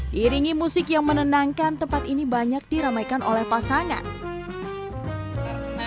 diiringi musik yang menenangkan tempat ini banyak diramaikan oleh pasangan